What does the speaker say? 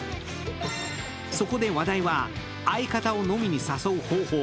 そこで話題は、相方を飲みに誘う方法。